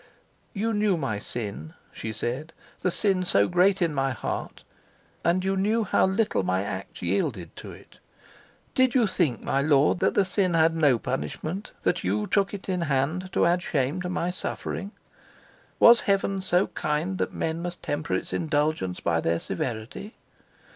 "You knew my sin," she said, "the sin so great in my heart; and you knew how little my acts yielded to it. Did you think, my lord, that the sin had no punishment, that you took it in hand to add shame to my suffering? Was Heaven so kind that men must temper its indulgence by their severity?